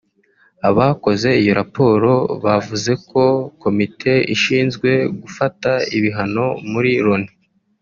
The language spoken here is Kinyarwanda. Abakoze iyo raporo bavuze ko komite ishinzwe gufata ibihano muri Loni